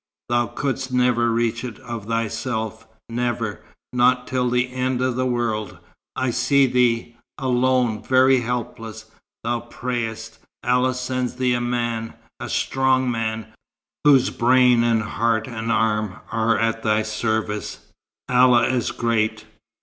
Thou couldst never reach it of thyself never, not till the end of the world. I see thee alone, very helpless. Thou prayest. Allah sends thee a man a strong man, whose brain and heart and arm are at thy service. Allah is great!"